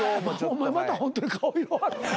お前またホントに顔色。